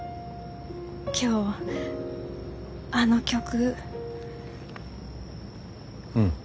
今日あの曲う。